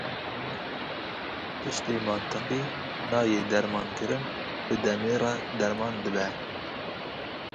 Tiştê mantiqî nayê dermankirin, bi demê re derman dibe.